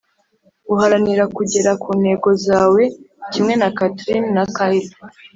uharanira kugera ku ntego zawe Kimwe na Catrina na Kyle